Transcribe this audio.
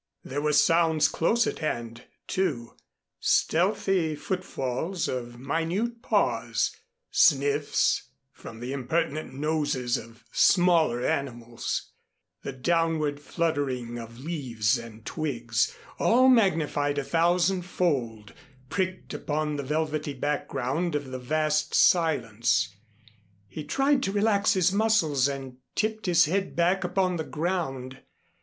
There were sounds close at hand, too, stealthy footfalls of minute paws, sniffs from the impertinent noses of smaller animals; the downward fluttering of leaves and twigs all magnified a thousandfold, pricked upon the velvety background of the vast silence. He tried to relax his muscles and tipped his head back upon the ground.